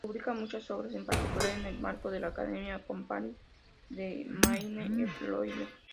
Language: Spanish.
Publica muchas obras, en particular en el marco de la Academic Company de Maine-et-Loire.